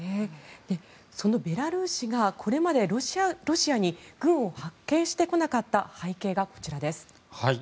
そのベラルーシがこれまでロシアに軍を派遣してこなかった背景がこちらです。